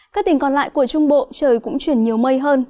các tỉnh còn lại của trung bộ trời cũng chuyển nhiều mây hơn